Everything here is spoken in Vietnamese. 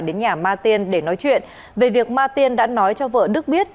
đến nhà ma tiên để nói chuyện về việc ma tiên đã nói cho vợ đức biết